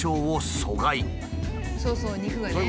そうそう。